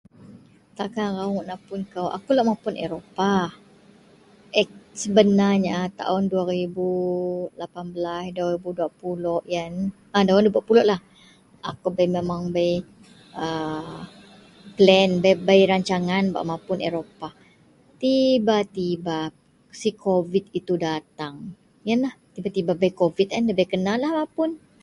Takan rawon----Akou lok mapun Europah, Eh sebenarnya sien taon 2018-2020 ien. Taon 2020 lah akou bei, memeng bei a pelan bei rancangan bak mapun Europah, tiba-tiba sikubik itu datang. Iyenlah tiba-tiba bei kubik eh nda kenalah mapun.